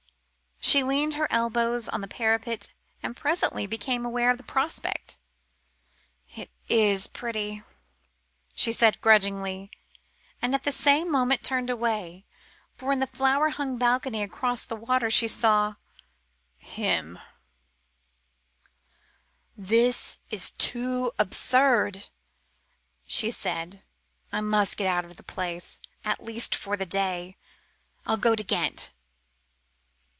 She leaned her elbows on the parapet and presently became aware of the prospect. "It is pretty," she said grudgingly, and at the same moment turned away, for in a flower hung balcony across the water she saw him. "This is too absurd," she said. "I must get out of the place at least, for the day. I'll go to Ghent."